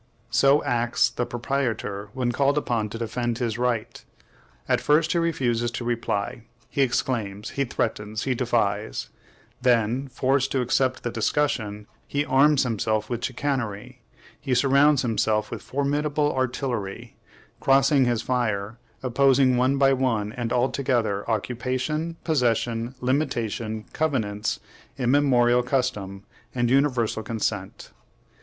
So acts the proprietor when called upon to defend his right. At first he refuses to reply, he exclaims, he threatens, he defies; then, forced to accept the discussion, he arms himself with chicanery, he surrounds himself with formidable artillery, crossing his fire, opposing one by one and all together occupation, possession, limitation, covenants, immemorial custom, and universal consent.